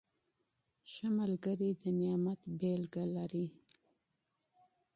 ښه ملګری د نعمت مثال لري.